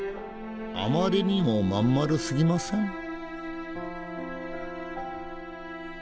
あまりにも真ん丸すぎません？